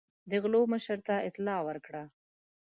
د غلو مشر ته اطلاع ورکړه.